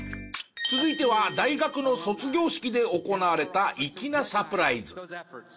続いては大学の卒業式で行われた粋なサプライズ。